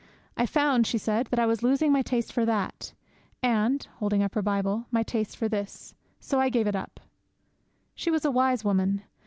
'I found,' she said, 'that I was losing my taste for that, and' holding up her Bible 'my taste for this; so I gave it up!' She was a wise woman.